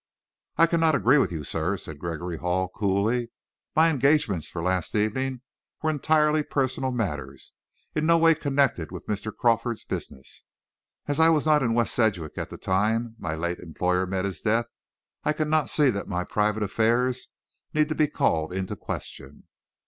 "I cannot agree with you, sir," said Gregory Hall, coolly; "my engagements for last evening were entirely personal matters, in no way connected with Mr. Crawford's business. As I was not in West Sedgwick at the time my late employer met his death, I cannot see that my private affairs need be called into question."